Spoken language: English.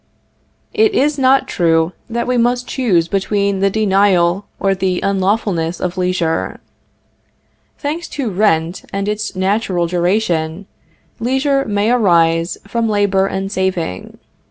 It is not true that we must choose between the denial or the unlawfulness of leisure; thanks to rent and its natural duration, leisure may arise from labor and saving.